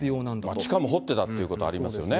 地下も掘ってたということがありますよね。